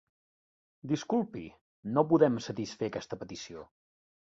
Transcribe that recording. Disculpi, no podem satisfer aquesta petició.